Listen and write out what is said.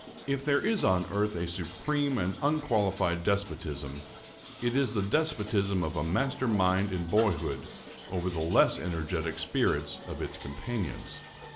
If there is on earth a supreme and unqualified despotism, it is the despotism of a master mind in boyhood over the less energetic spirits of its companions.